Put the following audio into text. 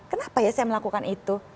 kenapa ya saya melakukan itu